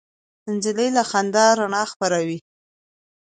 نجلۍ له خندا رڼا خپروي.